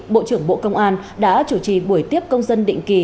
bộ trưởng bộ công an đã chủ trì buổi tiếp công dân định kỳ